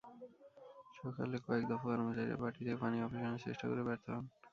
সকালে কয়েক দফা কর্মচারীরা বাটি নিয়ে পানি অপসারণের চেষ্টা করেও ব্যর্থ হন।